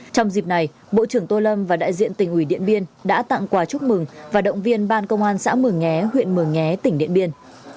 trong dịp này bộ trưởng tô lâm và đại diện tỉnh ủy điện biên đã tặng quà chúc mừng và động viên ban công an xã mường nhé huyện mường nhé tỉnh điện biên